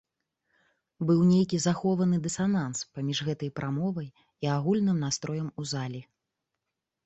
Быў нейкі захованы дысананс паміж гэтай прамовай і агульным настроем у залі.